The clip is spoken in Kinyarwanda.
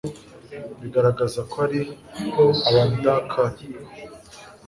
bigaragaza ko ari abacakara.